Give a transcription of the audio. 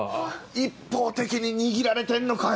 一方的に握られてんのかよ。